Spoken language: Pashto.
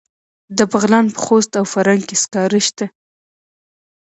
د بغلان په خوست او فرنګ کې سکاره شته.